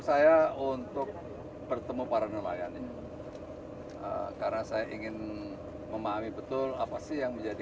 saya untuk bertemu para nelayan ini karena saya ingin memahami betul apa sih yang menjadi